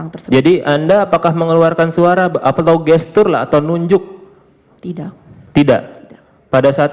terima kasih atas dukungan